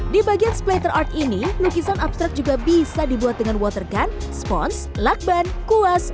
di bagian splater art ini lukisan abstrak juga bisa dibuat dengan watergun spons lakban kuas